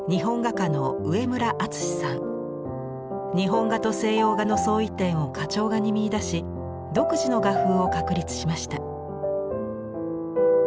日本画と西洋画の相違点を花鳥画に見いだし独自の画風を確立しました。